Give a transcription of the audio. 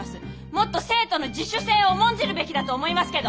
もっと生徒の自主性を重んじるべきだと思いますけど。